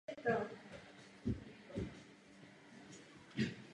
Jinak po krátkých obdobích nerovnováhy budou následovat chronické schodky.